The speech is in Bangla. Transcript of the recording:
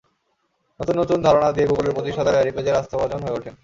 নতুন নতুন ধারণা দিয়ে গুগলের প্রতিষ্ঠাতা ল্যারি পেজের আস্থাভাজন হয়ে ওঠেন।